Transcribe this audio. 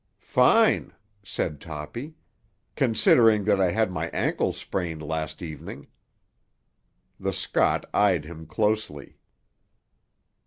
"Fine!" said Toppy. "Considering that I had my ankle sprained last evening." The Scot eyed him closely.